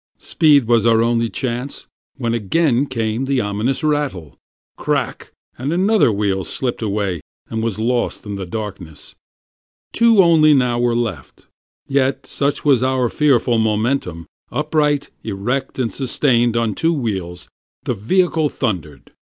Speed was our only chance, when again came the ominous rattle: Crack, and another wheel slipped away, and was lost in the darkness. Two only now were left; yet such was our fearful momentum, Upright, erect, and sustained on two wheels, the vehicle thundered.